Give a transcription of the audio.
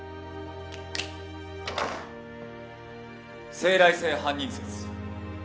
生来性犯人説。